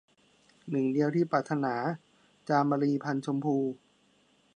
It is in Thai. หนึ่งเดียวที่ปรารถนา - จามรี พรรณชมพู